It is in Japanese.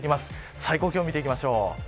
最高気温、見ていきましょう。